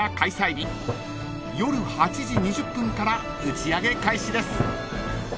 ［夜８時２０分から打ち上げ開始です］